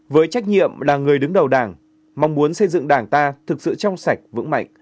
với trách nhiệm là người đứng đầu đảng mong muốn xây dựng đảng ta thực sự trong sạch vững mạnh